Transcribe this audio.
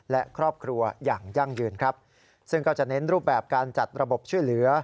และครอบครัวอย่างยั่งยืนครับซึ่งก็จะเน้นรูปแบบการจัดระบบช่วยเหลือ